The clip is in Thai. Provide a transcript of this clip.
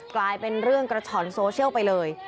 กลายเป็นเรื่องกระฉ่อนโซเชียลไปเลย